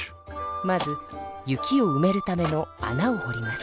まず雪をうめるためのあなをほります。